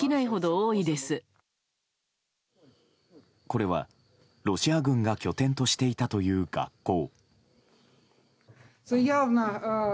これは、ロシア軍が拠点としていたという学校。